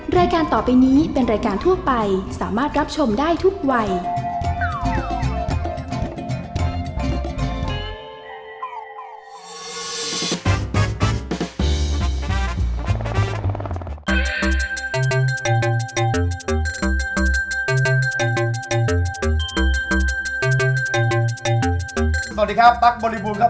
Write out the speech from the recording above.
สวัสดีครับปั๊กบริภูมิครับผม